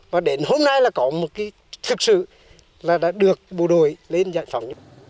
và đến hôm nay là có một cái thực sự là đã được bộ đội lên dạng phòng